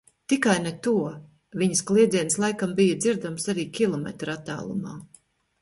Tikai ne to! viņas kliedziens laikam bija dzirdams arī kilometra attālumā...